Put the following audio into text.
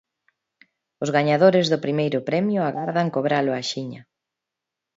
Os gañadores do primeiro premio agardan cobralo axiña